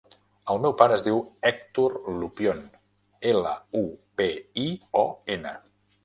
El meu pare es diu Hèctor Lupion: ela, u, pe, i, o, ena.